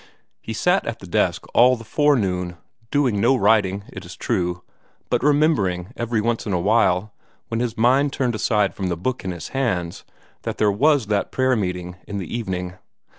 He sat at the desk all the forenoon, doing no writing, it is true, but remembering every once in a while, when his mind turned aside from the book in his hands, that there was that prayer meeting in the evening.